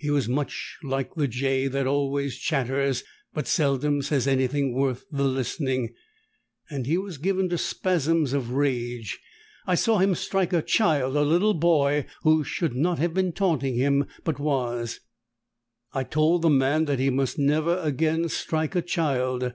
He was much like the jay that always chatters but seldom says anything worth the listening, and he was given to spasms of rage. I saw him strike a child, a little boy, who should not have been taunting him but was. I told the man that he must never again strike a child.